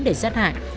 để sát hại